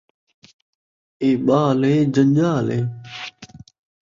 اے ٻال ہے، جنجال ہے؟